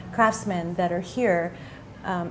kraftsmen yang memiliki kemahiran